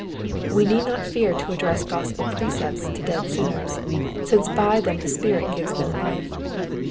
We need not fear to address gospel precepts to dead sinners, since by them the Spirit gives them life.